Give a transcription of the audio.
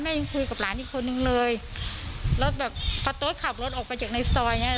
ยังคุยกับหลานอีกคนนึงเลยแล้วแบบพอโต๊ดขับรถออกไปจากในซอยเนี้ย